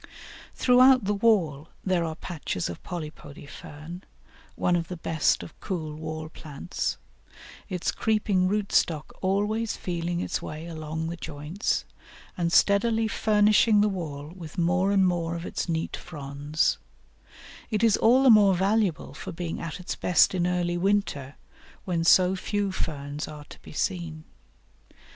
] Throughout the wall there are patches of Polypody Fern, one of the best of cool wall plants, its creeping root stock always feeling its way along the joints, and steadily furnishing the wall with more and more of its neat fronds; it is all the more valuable for being at its best in early winter, when so few ferns are to be seen.